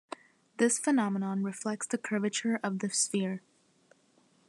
This phenomenon reflects the curvature of the sphere.